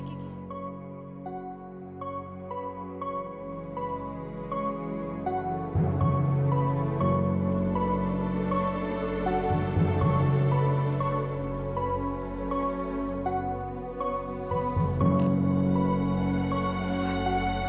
ibu ngejalanin ke sana